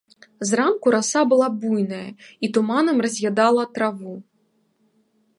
Зранку раса была буйная, і туманам раз'ядала траву.